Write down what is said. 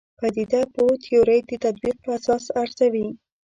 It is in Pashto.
پدیده پوه تیورۍ د تطبیق په اساس ارزوي.